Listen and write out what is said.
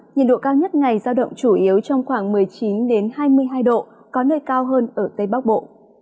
nhiệt độ cao nhất ngày giao động chủ yếu trong khoảng một mươi chín hai mươi hai độ có nơi cao hơn ở tây bắc bộ